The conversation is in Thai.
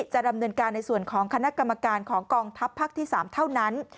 จะดำเนินการในส่วนของคณะกรรมการของกองทัพภาคที่๓เท่านั้น